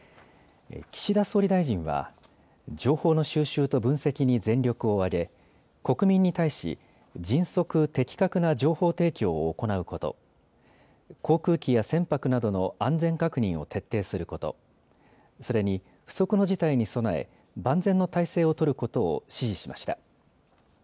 岸田総理大臣は情報の収集と分析に全力を挙げ国民に対し迅速・的確な情報提供を行うこと、航空機や船舶などの安全確認を徹底すること、それに不測の事態に備え万全の態勢を取ることを指示しました。